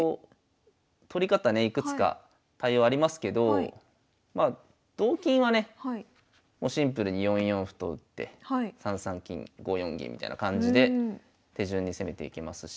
取り方ねいくつか対応ありますけどまあ同金はねもうシンプルに４四歩と打って３三金５四銀みたいな感じで手順に攻めていけますし。